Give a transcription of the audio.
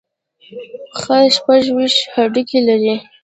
پښه شپږ ویشت هډوکي لري.